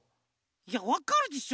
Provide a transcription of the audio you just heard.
いやわかるでしょ。